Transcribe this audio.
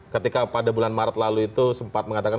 ketika pada bulan maret lalu itu sempat mengatakan